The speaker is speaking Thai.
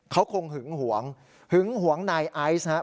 เขาคงหึงหวงหึงหวงนายไอซ์นะครับ